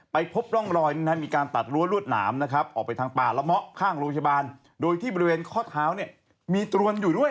พบร่องรอยมีการตัดรั้วรวดหนามนะครับออกไปทางป่าละเมาะข้างโรงพยาบาลโดยที่บริเวณข้อเท้าเนี่ยมีตรวนอยู่ด้วย